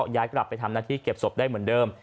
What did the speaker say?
ย้ายกลับไปทำหน้าที่เก็บศพได้เหมือนเดิม